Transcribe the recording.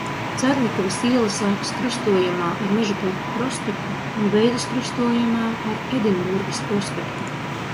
Carnikavas iela sākas krustojumā ar Mežaparka prospektu un beidzas krustojumā ar Edinburgas prospektu.